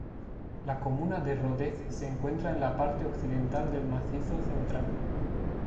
La comuna de Rodez se encuentra en la parte occidental del Macizo Central.